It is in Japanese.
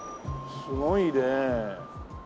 すごいね。